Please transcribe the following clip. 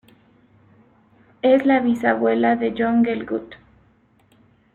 Es la bisabuela de John Gielgud.